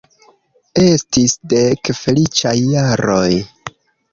Estis dek feliĉaj jaroj.